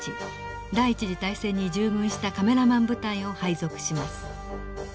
第一次大戦に従軍したカメラマン部隊を配属します。